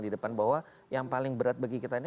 di depan bahwa yang paling berat bagi kita ini